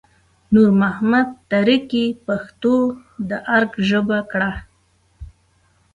نور محمد تره کي پښتو د ارګ ژبه کړه